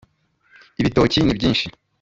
ibitoki ni byinshi